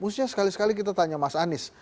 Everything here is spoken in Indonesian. maksudnya sekali sekali kita tanya mas anies